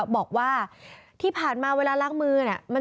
บอกว่าที่ผ่านมาเวลารักมือ